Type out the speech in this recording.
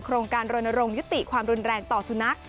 โครงการโรนโรงยุติความรุนแรงต่อสุนัข